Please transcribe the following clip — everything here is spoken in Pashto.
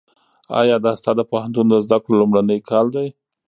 ایا دا ستا د پوهنتون د زده کړو لومړنی کال دی؟